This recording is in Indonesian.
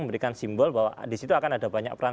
memberikan simbol bahwa disitu akan ada banyak peran